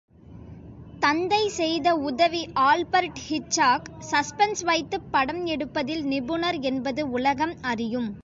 தந்தை செய்த உதவி ஆல்பர்ட் ஹிச்காக், சஸ்பென்ஸ் வைத்துப் படம் எடுப்பதில் நிபுணர் என்பது உலகம் அறியும்.